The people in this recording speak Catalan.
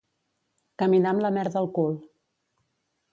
Caminar amb la merda al cul.